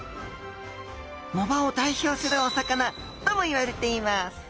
藻場を代表するお魚ともいわれています。